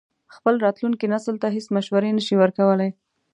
خپل راتلونکي نسل ته هېڅ مشورې نه شي ورکولای.